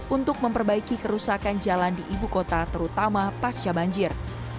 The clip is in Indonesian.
untuk memperbaiki kerusakan jalan di ibu kota terutama pasca banjir